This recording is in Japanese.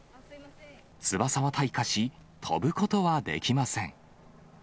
翼は退化し、飛ぶことはできません。